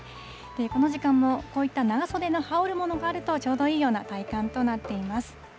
この時間もこういった長袖の羽織るものがあるとちょうどいいような体感となっています。